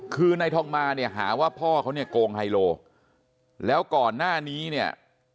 คือนายทองมาเนี่ยหาว่าพ่อเขาเนี่ยโกงไฮโลแล้วก่อนหน้านี้เนี่ย